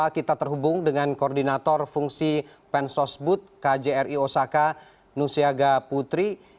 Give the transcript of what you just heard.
kita terhubung dengan koordinator fungsi pensosbud kjri osaka nusiaga putri